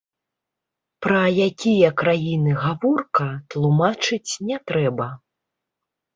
Пра якія краіны гаворка, тлумачыць не трэба.